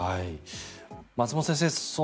松本先生